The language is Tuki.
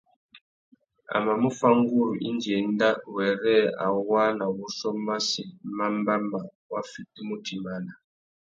A mà mú fá nguru indi enda wêrê a waā nà wuchiô massi mà mbáma wa fitimú utimbāna.